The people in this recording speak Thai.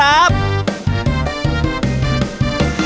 มารุ้นครับ